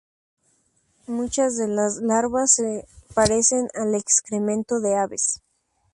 Muchas de las larvas se parecen al excremento de aves.